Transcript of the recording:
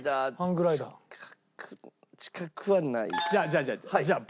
じゃあじゃあじゃあじゃあ。